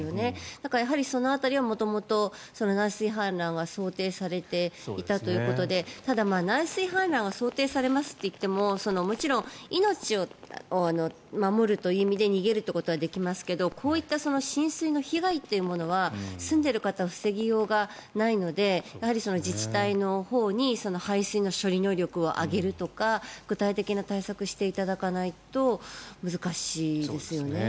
だからその辺りは元々内水氾濫が想定されていたということでただ、内水氾濫が想定されますって言ってももちろん命を守るという意味で逃げるということはできますけどこういった浸水の被害というものは住んでいる方は防ぎようがないのでやはり、自治体のほうに排水の処理能力を上げるとか具体的な対策をしていただかないと難しいですよね。